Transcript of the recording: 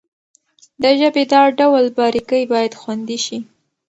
د ژبې دا ډول باريکۍ بايد خوندي شي.